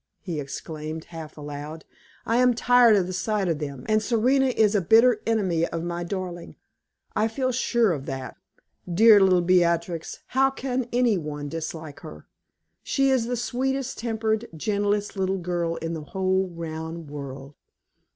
he exclaimed, half aloud. "I am tired of the sight of them, and Serena is a bitter enemy of my darling; I feel sure of that. Dear little Beatrix, how can any one dislike her? She is the sweetest tempered, gentlest little girl in the whole round world!"